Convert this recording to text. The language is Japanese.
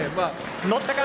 乗ったか？